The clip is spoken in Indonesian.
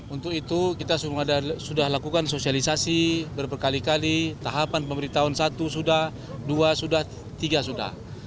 untuk itu kita sudah lakukan sosialisasi berbekali kali tahapan pemberitahuan satu sudah dua sudah tiga sudah